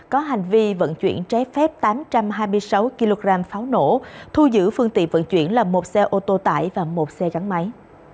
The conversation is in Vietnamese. có hành vi vận chuyển trái phép tám trăm hai mươi sáu kg pháo nổ thu giữ phương tiện vận chuyển là một xe ô tô tải và một xe gắn máy